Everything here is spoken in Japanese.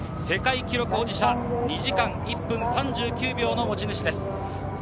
世界記録保持者、２時間１分３９秒の持ち主です。